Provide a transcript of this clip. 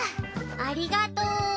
ありがとう。